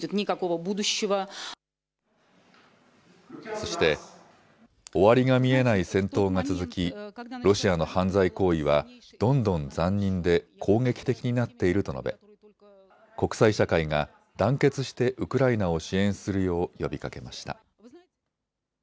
そして終わりが見えない戦闘が続きロシアの犯罪行為はどんどん残忍で攻撃的になっていると述べ国際社会が団結してウクライナを支援するよう呼びかけました。